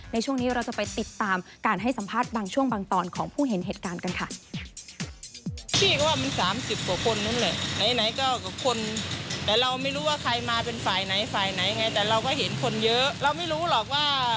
ในช่วงนี้เราจะไปติดตามการให้สัมภาษณ์บางช่วงบางตอนของผู้เห็นเหตุการณ์กันค่ะ